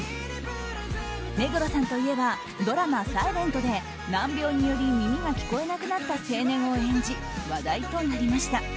目黒さんといえばドラマ「ｓｉｌｅｎｔ」で難病により耳が聞こえなくなった青年を演じ話題となりました。